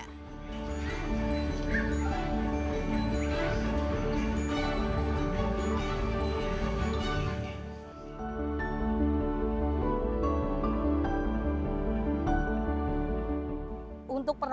sukses jakarta untuk indonesia